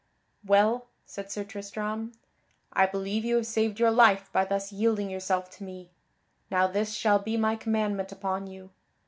"Well," said Sir Tristram, "I believe you have saved your life by thus yielding yourself to me. Now this shall be my commandment upon you.